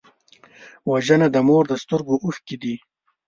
وژنه د مور د سترګو اوښکې دي